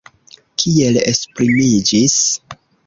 Kiel esprimiĝis?